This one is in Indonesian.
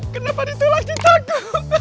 kenapa ditolak citaku